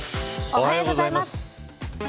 おはようございます。